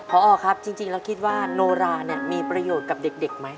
ผอครับจริงเราคิดว่าโนรามีประโยชน์กับเด็กไหม